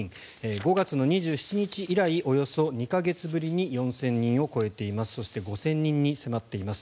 ５月２７日以来およそ２か月ぶりに４０００人を超えています。